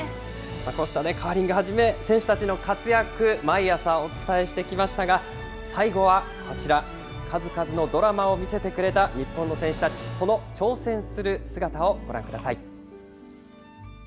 こうしたカーリングはじめ、選手たちの活躍、毎朝お伝えしてきましたが、最後はこちら、数々のドラマを見せてくれた日本の選手たち、その挑戦する姿をご覧ください。